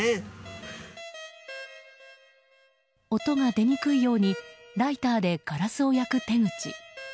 音が出にくいようにライターでガラスを焼く手口。